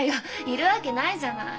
いるわけないじゃない。